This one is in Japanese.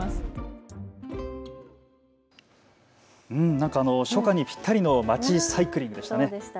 なんか初夏にぴったりの街サイクリングでしたね。